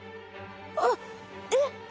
あっえっ！